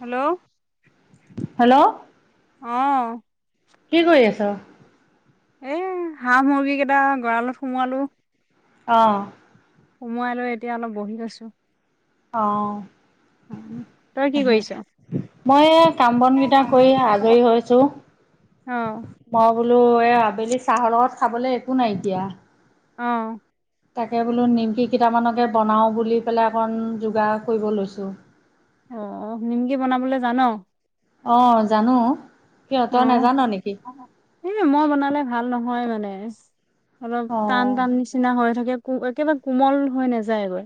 Hello hello অঁ'। কি কৰি আছ? এ হাঁহ মুৰ্গী গেইটা গঁৰা়লত সোমোৱালো। অঁ' সোমোৱাই লৈ এতিয়া অলপ বহি লৈছো। অঁ' তই কি কৰিছ মই এই কাম বন গিটা কৰি আজৰি হৈছো। অঁ' মই বোলো এই আবেলি চাহৰ লগত খাবলে একো নাই এতিয়া। অঁ' তাকে বোলো নিমকি কেইটামানকে বনাওঁ বুলি পেলাই অকণ যোগাৰ কৰিব লৈছোঁ। অঁ অঁ নিমকি বনাবলে জান? অঁ' জানো, কিয় তয় নাজান নেকি? এই মই বনালে ভাল নহয় মানে, অলপ টান অঁ টান নিচ- চিনা হৈ থাকে, একেবাৰে কোমল হৈ নাযায় গৈ।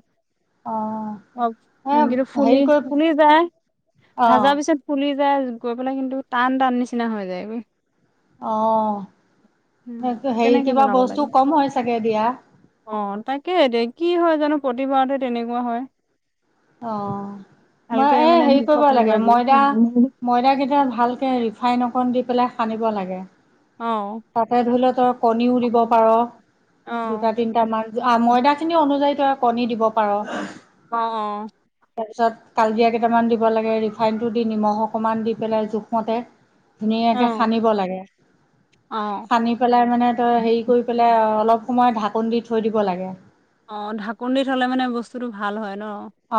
অঁ অঁ' এ নিমকিটো ফুলি হেৰি কৰি ফুলি যায়, অঁ ভাজা পিছত- ফুলি যায় গৈ পেলাই কিন্তু, টান টান নিচিনা হৈ যায়। অঁ' উম সেইটো হেৰি কেনেকে কিবা বস্তু কম হয় চাগে দিয়া। অঁ' তাকে এতিয়া কি হয় জানো প্ৰতিবাৰতে তেনেকুৱা হয়। অঁ' তোমাৰ ভালকে এ মানে হেৰি কৰিব জোখত লাগে নোহোৱাগৈ ময়দা- ময়দা গেটা ভালকে ৰিফাইন অকণ দি পেলাই সানিব লাগে। অ তাতে ধৰি ল তই কণীও অ দিব পাৰ অ দুটা তিন- তামান অঁ ময়দা খিনি অনুযায়ী তই কণী দিব পাৰ। অঁ অঁ। তাৰপিছত কালজিৰা কেটামান দিব লাগে ৰিফাইনটো দি নিমখ অকমান দি পেলাই জোখমতে- ধুনীয়াকে সানিব অ লাগে, অ সানি- পেলাই মানে তই হেৰি কৰি পেলাই অলপ সময় ঢাকন দি থৈ দিব লাগে। অঁ' ঢাকোন দি থলে মানে বস্তুটো ভাল হয় ন।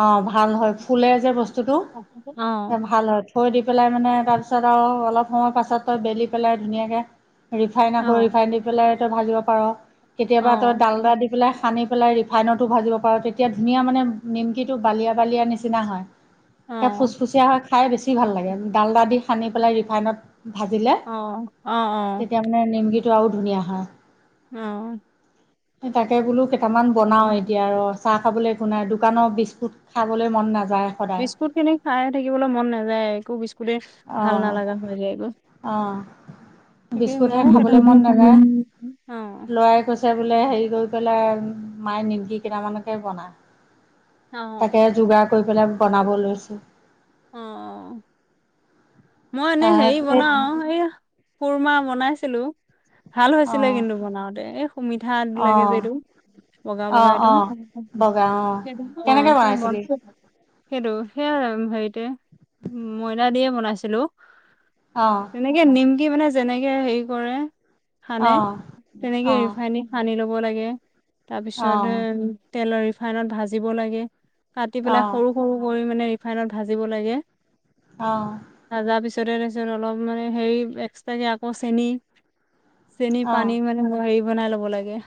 অঁ' ভাল হয়, ফুলে যে বস্তুটো অ অ সে ভাল হয়। থৈ দি পেলাই মানে তাৰপিছত আৰু অলপ সময় পাছত তয় বেলি পেলাই ধুনীয়াকে- ৰিফাইন অ আকৌ ৰিফাইন দি পেলাই তই ভাজিব পাৰ, অ কেতিয়াবা তই ডালডা দি পেলাই- সানি পেলাই ৰিফাইনটো ভাজিব পাৰ, তেতিয়া ধুনীয়া মানে নিমকিটো বালিয়া বালিয়া নিচিনা হয়। অ সেই ফুচফুচিয়া হৈ খাই বেছি ভাল লাগে, ডালডা দি সানি পেলাই ৰিফাইনত- ভাজিলে, অ অ তেতিয়া মানে নিমকিটো আৰু ধুনীয়া হয়। অঁ' হে তাকে বোলো কেইটামান বনাও এতিয়া ৰ। চাহ খাবলে একো নাই, দোকানৰ বিস্কুট খাবলে মন নাযায়। সদায় বিস্কুট খিনি খাই থাকিবলৈ মন নাযায় একো বিস্কুটে ভাল অঁ নালাগা হৈ যায় একো। অঁ' ঠিকেই বিস্কুটহে ময়ো খাবলৈ মন কেটামানক নাযায় [unintelligible] অঁ'। ল'ৰাই কৈছে বোলে হেৰি কৰি পেলাই মায়ে নিমকি কেইটামানকে বনা অ তাকে যোগাৰ কৰি পেলাই বনাব লৈছো। অঁ মই এনেই তাক হেৰি বনাও এই খুৰমা বনাইছিলো ভাল হৈছিলে অ', কিন্তু বনাওঁতে এ সু মিঠা লাগে যে অ', এইটো বগা বগা অ', এইটো অ'। বগা অ', সেইটো অঁ কেনেকে বনাইছিলি? সেইটো সেয়াই হেৰিতে মইদা দিয়ে বনাইছিলো অঁ তেনেকে নিমকি মানে যেনেকে হেৰি কৰে সানে অ', তেনেকে অ'। ৰিফাইন সানি ল'ব লাগে অ', তাৰপিছত তেলৰ ৰিফাইনত ভাজিব লাগে কাটি পেলাই অ', সৰু সৰু কৰি মানে ৰিফাইনত ভাজিব লাগে অঁ ভাজাৰ পিছতে তাৰপিছত অলপ মানে হেৰি এক্সট্ৰাকে আকৌ চেনি চেনি অ', পানী মানে হেৰি বনাই ল'ব লাগে।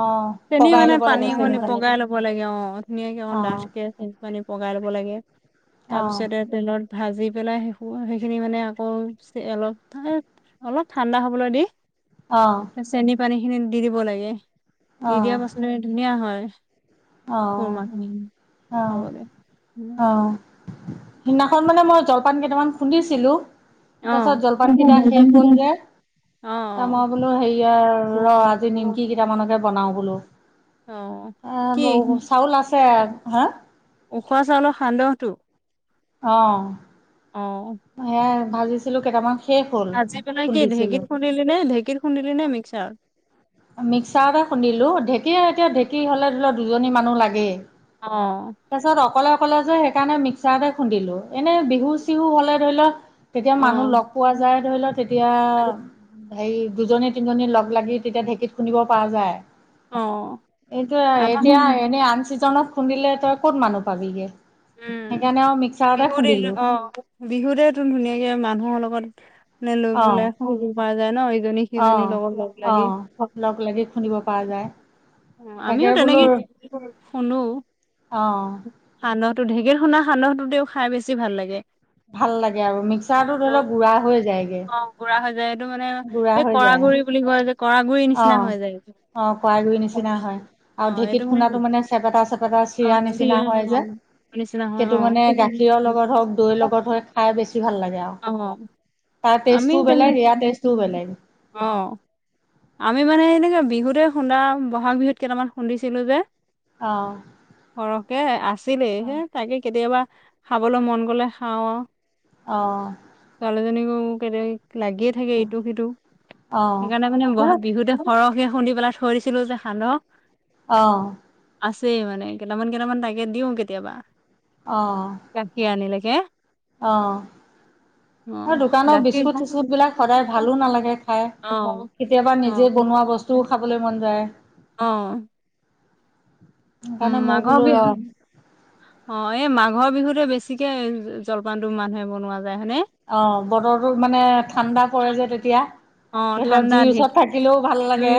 অ চেনী পগাই মানে ল'ব লাগে চেনি পানীখিনী পানীটো। পগাই লব লাগে অ, ধুনীয়াকে অকণ অ', ডাঠকে চেনী পানী পগাই লব লাগে। অ', তাৰপিছতে তেলত ভাজি পেলাই। সেইখিনি মানে আকৌ অলপ, অলপ ঠাণ্ডা হ'বলৈ দি। অ চেনি পানীখিনি দি দিব লাগে। দি দিয়া পাছত ধুনীয়া হয়। আহ, খুৰমা খিনি আহ, খাবলৈ আহ। সিদিনাখন মানে মই জলপান কেইটামান খুন্দিছিলো। অ। তাৰপিছত জলপানকেইটা শেষ হ'ল যে। অ ত মই বোলো হেৰি আৰু ৰ, আজি অ। নিমকি কেইটামানকে বনাও বোলো। অঁ এ চাউল আছে, হা? ওখোৱা চাউলৰ সান্দহটো। অঁ অ সেয়াই ভাজিছিলো কেইটামান শেষ হ'ল, খুন্দিছিলো। খুন্দলি নে ঢেঁকী খুন্দিলি নে মিক্সাৰত? মিক্সাৰ এটা খুন্দিলো, ঢেঁকী এতিয়া ঢেঁকী হ'লে ধৰি ল দুজনী মানুহ লাগেই। অঁ তাৰপিছত অকলে অকলে যে, সেইকাৰণে মিক্সাৰতে খুন্দিলো। এনে বিহু চিহু হলে ধৰি লও তেতিয়া মানুহ অ', লগ পোৱা যায় ধৰি লওক তেতিয়া, হেৰি দুজনী তিনিজনী লগ লাগি। তেতিয়া ঢেঁকীত খুন্দিব পৰা যায়। অ', এইটো আমাৰ এতিয়া এনে উম, আন চিজনত খুন্দিলে তই ক'ত মানুহ পাবিগৈ। সেইকাৰণে আৰু মিক্সাৰতে বিহুত এই খুন্দিলোঁ। অ', বিহুতেতো ধুনীয়াকে মানুহৰ লগত মানে লৈ অ পেলাই সু প যায় ন ইজনী, অ সিজনীৰ লগত লগ অ লাগি। লগ লাগি খুন্দিব পৰা যায়। অ, তাকে আমিও বোলো তেনেকে খুন্দে। অ সান্দটো ঢেঁকীত খুন্দা সান্দটো তেও খাই বেছি ভাল লাগে। ভাল লাগে আৰু মিক্সাৰটো ধৰি লওক গুড়া হৈ যায়গে। গু়ৰা হৈ যায়, এইটো মানে গুড়া এই হৈ কৰা যায় গুৰি বুলি কয় যে কৰা গুৰি অ নিচিনা হৈ যায়। অ, কৰাই গুৰি নিচিনা হয়। আৰু অ', এইটো ঢেঁকীত খুন্দাটো মানে চেপেটা চেপেটা অ', চিৰা নিচিনা হয় যে। নিচিনা হয় সেইটো অ', মানে গাখীৰৰ লগত হওঁক, দৈৰ লগত হয়, খাই বেছি ভাল লাগে আৰু। অঁ, তাৰ আমি টেষ্টটোও তেনে বেলেগ ইয়াৰ টেষ্টটোও বেলেগ অঁ- আমি মানে এনেকে বিহুতে খুন্দা, বহাগ বিহুত কেইটামান খুন্দিছিলো যে। অঁ। সৰহকে আছিলেই হে তাকে কেতিয়াবা খাবলৈ মন গলে খাওঁ আৰু। অঁ। ছোৱালীজনীকো কে লাগিয়ে থাকে ইটো-সিটো। অ সেইকাৰণে মানে বিহুতে- অৰহে খুন্দি পেলাই থৈ দিছিলো যে সান্দক। অঁ। আছেই মানে কেইটামান-কেইটামান তাকে দিওঁ কেতিয়াবা। অঁ। গাখীৰ আনি লেগে। অঁ, দোকানৰ বি- গাখীৰ স্কুট চিস্কুট বিলাক সদায় ভালো নালাগে খাই, অ কেতিয়াবা অ নিজে বনোৱা বস্তুও খাবলৈ মন যায়। অঁ। [inaudible] উম, মই মাঘ বোলো বি- ৰ অঁ, এই মাঘৰ বিহুতে বেছিকে জলপানটো মানুহে বনোৱা যায়, হয়নে? অঁ, বতৰটো মানে ঠাণ্ডা পৰে যে তেতিয়া। অঁ, ধৰি লওক ঠাণ্ডা জুইৰ দিন ওচৰত থাকিলেও ভাল জুই লাগে,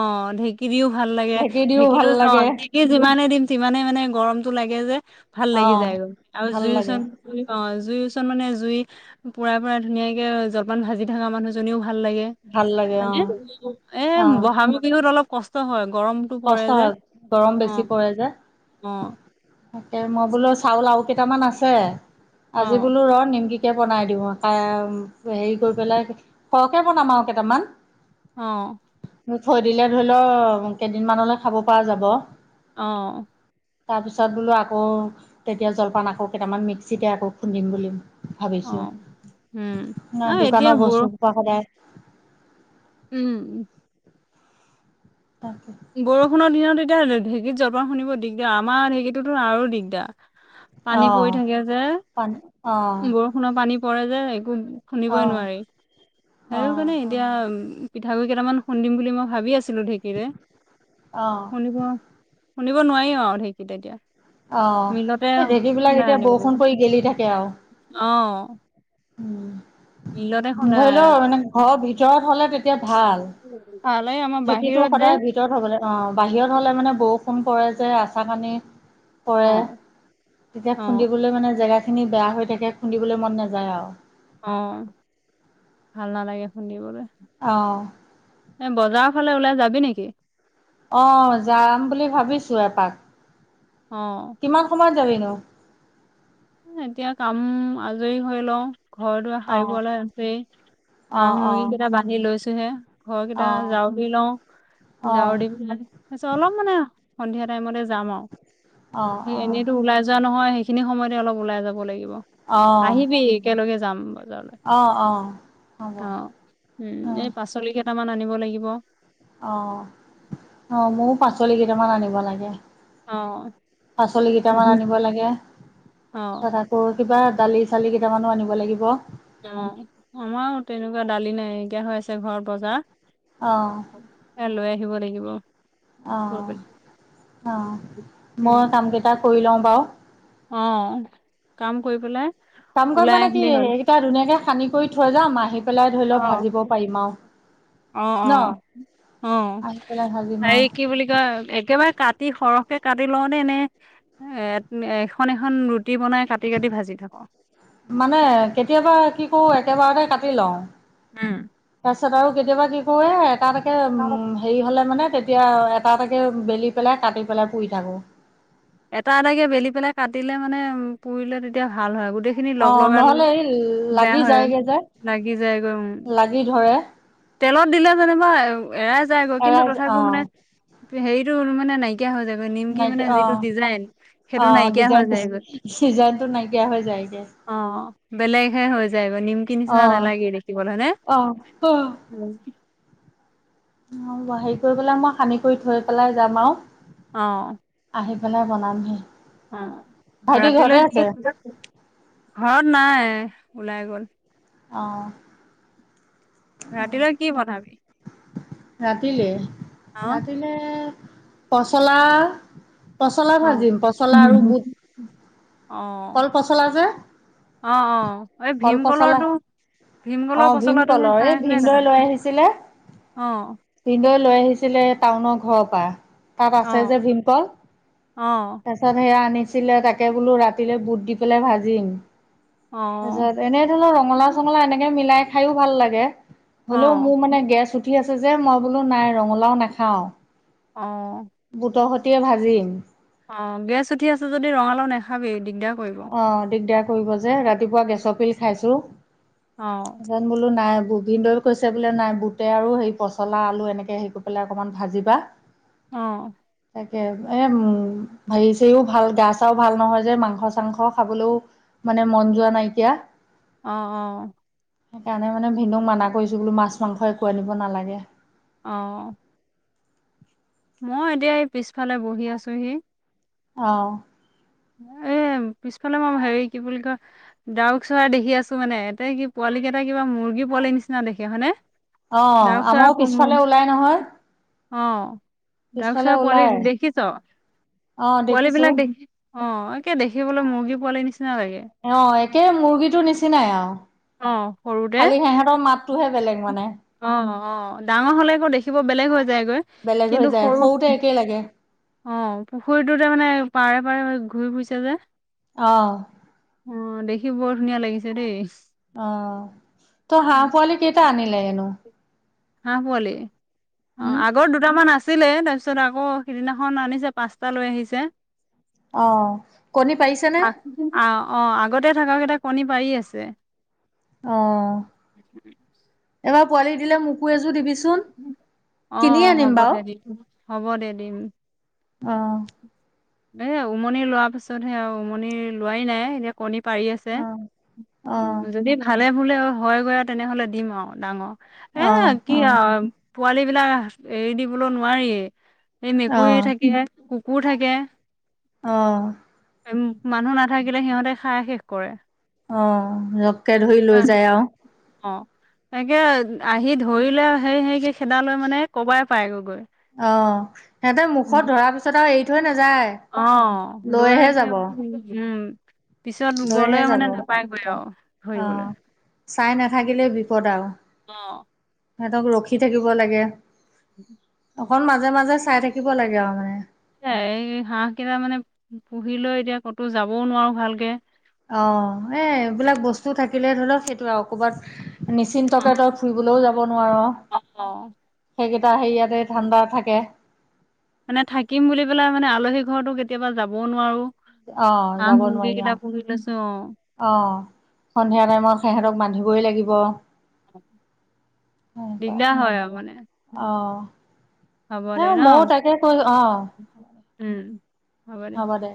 অঁ, ঢেঁকী দিওঁ ভাল লাগে। ঢেঁকী দিও ভাল ঢেঁকিটোৰ ন লাগে। [unintelligible] যিমানে দিম টিমানে মানে গৰমতটো লাগে যে ভাল লাগি অ', যায় আৰু ভাল জুই লাগে, ওচৰত - অঁ, জুই ওচৰত মানে জুই- পুৰা পুৰা ধুনীয়াকে জলপান ভাজি থকা মানুহজনীও ভাল লাগে। ভাল লাগে অ', এ অ'। বহাগৰ বিহুত অলপ কষ্ট হয়, গৰমতটো পৰে কষ্ট যে। হয়, গৰম অ বেছি পৰে যে। অ তাকে মই বোলো চাউল আৰু কেইটামান আছে, অ আজি বোলো ৰ নিমকি- কে বনাই দিওঁ কৈ হেৰী কৰি পেলাই খৰকে বনাম আৰু কেইটামান। অঁ। মু থৈ দিলে ধৰি লওঁক, কেইদিনমানলৈ খাব পৰা যাব। অঁ। তাৰ পিছত বোলো আকৌ তেতিয়া জলপান আকৌ কেইটামান মিক্সিতে আকৌ খুন্দিম বুলিম- অ ভাবিছো, উম ন অ এতিয়া দোকানৰ বৰ বস্তু সূপা সদায়- উম। তাকে। বৰষুণৰ দিনত এতিয়া ঢেঁকী জলপান খুন্দিব দিগদাৰ, আমাৰ ঢেঁকীটো আৰু দিগদাৰ। অ পানী পৰি থাকে যে, পানী অ বৰষুণৰ পানী পৰে যে, একো- অ শুনিবই নোৱাৰি, অ সেইটো কাৰণে- এতিয়া পিঠাগুড়ি কেইটামান খুন্দিম বুলি মই ভাবি আছিলো ঢেঁকীৰে। অঁ। সেইবোৰ খুন্দিব নোৱাৰি আৰু ঢেঁকীত এতিয়া। অ মিলতে এই ঢেঁকীবিলাক খুণ্ডাই এতিয়া আনিব বৰষুণ লাগিব, পৰি গেলি অঁ। উম, খুন্দাই ধৰি লও মানে ঘৰৰ ভিতৰত হলে তেতিয়া ভাল। তালৈ আমাৰ- ঢেঁকীটো বাহিৰত যে সদায় ভিতৰ হ'ব লাগে। অঁ, বাহিৰত হলে মানে বৰষুণ পৰে যে আচাৰ পানী- অ পৰে, তেতিয়া অ খুন্দিবলৈ মানে জেগাখিনি বেয়া হৈ থাকে খুন্দিবলৈ মন নাযায় আৰু। অ ভাল নালাগে খুন্দিবলৈ। অ। নে বজাৰ ফালে ওলাই যাবি নেকি? অ যাম বুলি ভাবিছোঁ এপাক। অ'। কিমান সময়ত যাবি নো? এতিয়া কাম আজৰি হৈ লও ঘৰ-দুৱাৰ অঁ সাৰিবলৈ আছেই। হাঁহ অঁ অঁ মুৰ্গী কাঁইট বান্ধি লৈছোহে, ঘৰ কেইটা অঁ জাৰু দি লওঁ। অঁ জাৰু দি পেলাই তাৰপিছত অলপ মানে সন্ধিয়া টাইমতে যাম আৰু, অঁ সেই এনেইতো ওলাই যোৱা নহয় খিনি সময়তে অলপ ওলাই যাব লাগিব, অঁ অঁ আহিবি একেলগে যাম বজাৰলৈ। অঁ অঁ হ'ব অ উম অঁ এ পাচলি কেইটামান আনিব লাগিব, অ অ ময়ও পাচলি কেইটামান আনিব লাগে। পাচলি কেইটামান আনিব লাগে অ তথ সৰু কিবা দালি-চালি কেইটামানো আনিব লাগিব। অ আমাৰো তেনেকুৱা দালি নাইকিয়া হৈ আছে ঘৰ বজাৰ। অ। এ লৈ আহিব লাগিব। অ গৈ পেলাই অ উম মইও কাম কেইটা কৰি লওঁ বাৰু। অ কাম কৰি পেলাই কাম কৰিম ওলাই মানে কি আহিলেই হ'ল এইকেইটা ধুনীয়াকে সানি কৰি থৈ যাম আহি পেলাই ধৰি অ লওঁ ভাজিব পাৰিম আৰু। অ অ ন অ আহি পেলাই ভাজিম হেৰি কি আৰু বুলি কয় একেবাৰে কাত তি সৰহকে কাটি লওঁ নে এনে এ এখন এখন ৰুটি বনাই কাটি কাটি ভাজি থাকো? মানে কেতিয়াবা কি কৰো একেবাৰতে কাটি লওঁ। হম। তাৰপিছত আৰু কেতিয়াবা কি কৰো এ এটা এটাকে উম হেৰি হ'লে মানে তেতিয়া এটা এটাকৈ বেলি পেলাই কাটি পেলাই পুৰি থাকোঁ। এটা এটাকে বেলি পেলাই কাটিলে মানে পুৰিলে তেতিয়া ভাল হয় গোটেই খিনি অ লগ লগালো নহলে এই বেয়া লাগি হয়, লাগি যায়গৈ উম। যি ধৰে তেলত দিলে যেনিবা এৰাই যায়গৈ কিন্তু এৰাই অ তথাপিও মানে হেৰিটো মানে নাই নাইকা হৈ যায় গৈ। নিমকি মানে নাইকিয়া অ যিটো ডিজাইন অ সেইটো নাইকিয়া হৈ ডিজাইনটো যায় গৈ। ডিজাইনটো নাইকিয়া হৈ যায়গে অ বেলেগহে হৈ যায় গৈ নিমকি অ নিচিনা নালাগে দেখিবলৈ, হয় নে? অ উ। উম। অ হেৰি কৰি পেলাই মই সানি কৰি থৈ পেলাই যাম আৰু। অ। আহি পেলাই বনামহি। অ ভাইটি ৰাতিলৈ ঘৰতে কি আছে? ঘৰত নাই ওলাই গ'ল। অ। ৰাতিলৈ কি বনাবি? ৰাতিলৈ, অ', ৰাতিলৈ পচলা পচলা অ', ভাজিম, পচলা আৰু বুট। অ', কল পচলা যে অ অ এই কল পচলা ভীমকলৰোটো ভীমকলৰ অ', পচলাটোহে ভীমকলৰ খাই এই আছিলাই ভিনদৈ দেখোন, অ পিন্দৈ লৈ আহিছিলে টাউনৰ ঘৰৰ পৰা তাত আছে অ', যে ভীমকল অ', তাৰপিছত সেয়া আনিছিলে তাকে বোলো ৰাতি কাট বুট দি পেলাই ভাজিম তাৰ অ', পিছত এনেই ৰঙলা চঙলা এনেকে মিলাই খাইও ভাল লাগে হ'লেও অ', মোৰ মানে গেছ উঠি আছে যে মই বোলো নাই ৰঙালাও নাখাওঁ। অ, বুটৰ সৈতেয়ে ভাজিম। অ গেছ উঠি আছে যদি ৰঙালাও নাখাবি দিগদাৰ কৰিব। অ দিগদাৰ কৰিব যে ৰাতিপুৱা গেছৰ পিল খাইছোঁ। অ, যেন বোলো নাই গোবিন দই কৈছে বোলে নাই বুটে আৰু হে পচলা আলু এনেকে হেৰি হেৰি কৰি বিলাই অকণমান ভাজিবা। অ', তাকে এ উম হেৰি চেৰিও ভাল গা চাও ভাল নহয় যে মাংস চা মাংস খাবলৈও মানে মন যোৱা নাই এতিয়া। অ, অ, সেইকাৰণে মানে ভিনুক মানা কৰিছো মাছ মাংস একো আনিব নালাগে। অ, মই এতিয়া এই পিছফালে বহি আছোহি। অ, এ পিছফালে মই হেৰি কি বুলি কয়? ডাউক চৰাই দেখি আছো মানে এতিয়া কি পোৱালি কেইটা কিবা মুৰ্গী পোৱালি নিচিনা দেখে হয়নে? অ ডাউক চৰাই আমাৰো পিছফালে ওলাই নহয়। অ ডাউক পিছফালে চৰাই ওলাই পোৱালি দেখিছ অ পোৱালি দেখিছো বিলাক দেখি অ একেই দেখিবলৈ মুৰ্গী পোৱালি নিচিনা লাগে। অ একেই মুৰ্গীটোৰ নিচিনাই আৰু অ', সৰুতে খালি সেহঁতৰ মাত টোহে বেলেগ মানে অ' অ' ডাঙৰ হ'লে আকৌ দেখিব বেলেগ হৈ যায়গৈ। বেলেগ হৈ কিন্তু যায় সৰু সৰুতে একেই লাগে অ' পুখুৰীটোৰ তাৰমানে পাৰে পাৰে ঘূৰি ফুৰিছে যে। অ' অ' দেখি বৰ ধুনীয়া লাগিছে দেই। অ' ত হাঁহ পোৱালি কেইটা আনিলেনো? হাঁহ পোৱালি অ' উম আগ আগৰ দুটামান আছিলেই তাৰপিছত আকৌ সিদিনাখন আনিছে পাঁচটা লৈ আহিছে। অ' কণী পাৰিছে নে? অ' অ' আগতে থকা কেইটাই কণী পাৰি আছে। অ' এইবাৰ পোৱালি দিলে মোকো এযোৰ দিবিচো অ' হ'ব দে দিম হ'ব দে দিম। অ' এই উমনি লোৱাৰ পিছতহে আৰু উমনি লোৱাই নাই। এ কণী পাৰি আছে। অ অ যদি ভালে ভুলে হয় গৈ আৰু তেনেহ'লে দিম আৰু, ডাঙৰ অ এ কি অ আৰু। পোৱালী বিলাক এৰি দিবলৈ নোৱাৰিই এই অ মেকুৰী থাকিহে কুকুৰ থাকে। অ'। উ মানুহ নাথাকিলে সিহঁতে খাই শেষ কৰে। অ', লপকে ধৰি লৈ যায় আৰু। অ', তাকে আহি ধৰিলে হেই হেই কে খেদা লৈ মানে কবাই পাই গৈ। অ', সিহঁতে মুখত ধৰা পিছত আৰু এৰি থৈ নাযায়। অ', লৈ লৈহে একে যাব উম পিছত গ'লে লৈহে যাব মানে অ নাপায়গৈ আৰু ধৰিবলৈ। চাই নাথাকিলেই বিপদ আৰু, অ'। সিহঁতক ৰখি থাকিব লাগে। [inaudible] অকণ মাজে, মাজে চাই থাকিব লাগে আৰু মানে। এই হাঁহ কেইটা মানে পুহি লৈ এতিয়া ক'তো যাবওঁ নোৱাৰো ভালকে। অ', এই এইবিলাক বস্তু থাকিলে ধৰি লওঁক সেইটো আৰু, ক'ৰবাত নিশ্চিন্তকে অ', তই ফুৰিবলৈও যাব নোৱাৰ অ'। সেইকেইটা হেৰিয়াতে ধাণ্ডা থাকে। মানে থাকিম বুলি পেলাই মানে আলহী ঘৰতো কেতিয়াবা যাবওঁ নোৱাৰো। অ হাঁহ যাব মুৰ্গী নোৱাৰি আৰু কেইটা পুহি লৈছো। অ', সন্ধিয়া টাইমত সিহঁতক বান্ধিবই লাগিব। সেনেকুৱা দিগদাৰ হয় আৰু মানে। হ'ব দে হেই ন মইয়ো তাকে কৈ, অ'। উম। হ'ব দে।